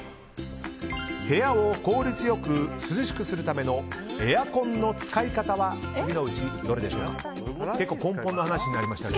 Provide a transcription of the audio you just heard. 部屋を効率良く涼しくするためのエアコンの正しい使い方は次のうちどれでしょうか。